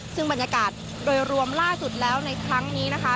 ซึ่งบรรยากาศโดยรวมล่าสุดแล้วในครั้งนี้นะคะ